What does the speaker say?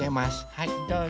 はいどうぞ。